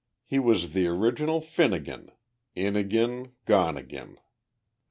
He was the original Finnigin "In agin, gone agin."